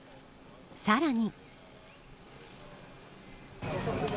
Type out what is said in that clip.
さらに。